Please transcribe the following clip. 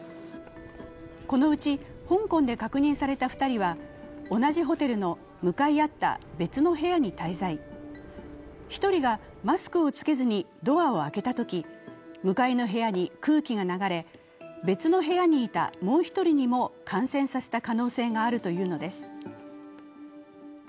このうち香港で確認された２人は同じホテルの向かい合った別の部屋に滞在、１人がマスクを着けずにドアを開けたとき、向かいの部屋に空気が流れ、別の部屋にいたもう一人にも感染させた可能性があるというのです。